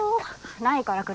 ないから車。